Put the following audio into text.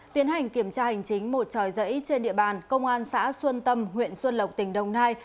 tiến hành kiểm tra hành chính một tròi giấy trên địa bàn công an xã xuân tâm huyện xuân lộc tỉnh đồng nai